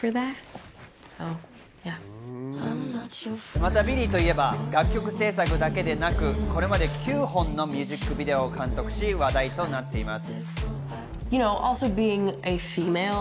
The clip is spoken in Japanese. またビリーといえば、楽曲制作だけでなく、これまで９本のミュージックビデオを監督し、話題となっています。